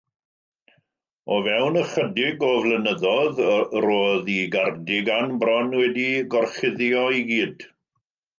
o fewn ychydig o flynyddoedd, roedd ei gardigan bron wedi'i gorchuddio i gyd.